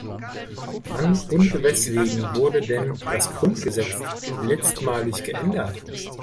Wann und weswegen wurde denn das Grundgesetz letztmalig geändert?